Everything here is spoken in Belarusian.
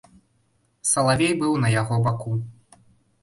Салавей быў на яго баку.